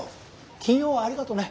金曜はありがとね